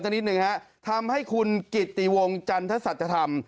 จะนิดหนึ่งฮะทำให้คุณกิตติวงจรรย์ทัศนศาสตรธรรม